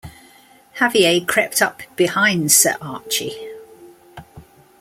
Xavier crept up behind Sir Archie.